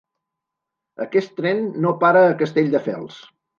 Aquest tren no para a Castelldefels.